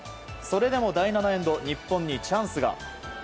それでも第７エンド日本にチャンスが。